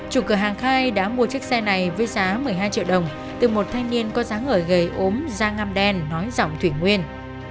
chủ cửa hàng khai đã mua chiếc xe này với giá một mươi hai triệu đồng từ một thanh niên có dáng ngời gầy ốm ra ngâm đen nói giọng thủy nguyên